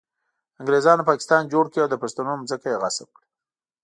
انګریزانو پاکستان جوړ کړ او د پښتنو ځمکه یې غصب کړه